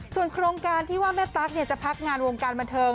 ส่วนโครงการที่ว่าแม่ตั๊กจะพักงานวงการบันเทิง